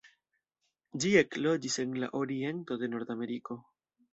Ĝi ekloĝis en la oriento de Nordameriko.